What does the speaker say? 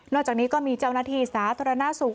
จากนี้ก็มีเจ้าหน้าที่สาธารณสุข